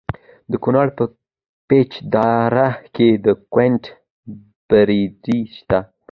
د کونړ په پيچ دره کې د کونزیټ ډبرې شته.